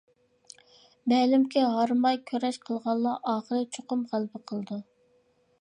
مەلۇمكى، ھارماي كۈرەش قىلغانلار ئاخىرى چوقۇم غەلىبە قىلىدۇ.